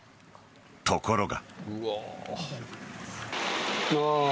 ところが。